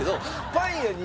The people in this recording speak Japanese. パン屋に。